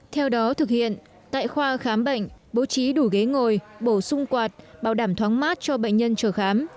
theo đó thực hiện tại khoa khám bệnh bố trí đủ ghế ngồi bổ sung quạt bảo đảm thoáng mát cho bệnh nhân chờ khám